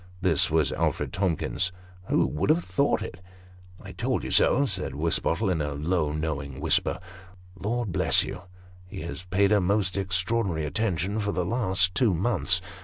This was Alfred Tomkins. " Who would have thought it ?" "I told you so," said Wisbottle, in a most knowing whisper. " Lord bless you, he has paid her most extraordinary attention for the last two months.